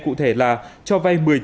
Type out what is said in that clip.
cụ thể là cho vay một mươi triệu